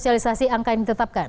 sosialisasi angka yang ditetapkan